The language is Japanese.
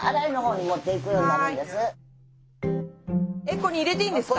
ここに入れていいんですか？